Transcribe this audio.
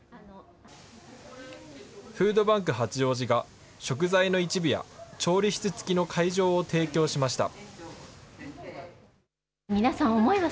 フードバンク八王子が食材の一部や、調理室付きの会場を提供しました。